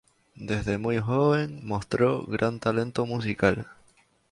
Desde muy joven mostró gran talento musical.